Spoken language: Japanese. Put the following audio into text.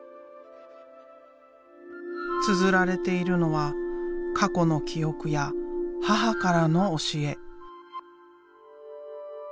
つづられているのは過去の記憶や母からの教え。